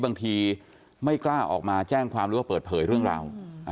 บางทีไม่กล้าออกมาแจ้งความหรือว่าเปิดเผยเรื่องราว